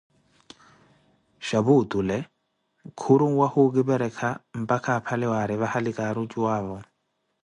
Xhapu otule khuri onwahi okiperekha mpakha aphale, wari vahali karucuwavo.